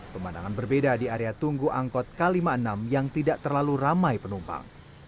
pemandangan berbeda di area tunggu angkot k lima puluh enam yang tidak terlalu ramai penumpang